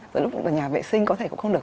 rồi lúc là nhà vệ sinh có thể cũng không được